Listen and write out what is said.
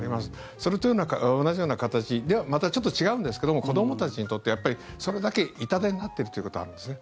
それと同じような形またちょっと違うんですけども子どもたちにとって、やっぱりそれだけ痛手になっているということがあるんですね。